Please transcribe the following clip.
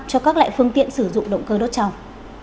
cho các loại phương tiện sử dụng động cơ đốt trồng